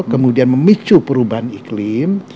kemudian memicu perubahan iklim